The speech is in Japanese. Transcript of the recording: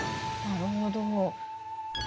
なるほど。